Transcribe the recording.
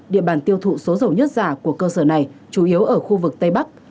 địa bàn tiêu thụ số dầu nhất giả của cơ sở này chủ yếu ở khu vực tây bắc